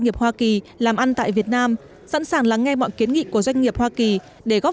nghiệp hoa kỳ làm ăn tại việt nam sẵn sàng lắng nghe mọi kiến nghị của doanh nghiệp hoa kỳ để góp